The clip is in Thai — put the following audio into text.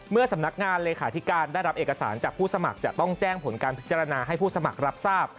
สำนักงานเลขาธิการได้รับเอกสารจากผู้สมัครจะต้องแจ้งผลการพิจารณาให้ผู้สมัครรับทราบ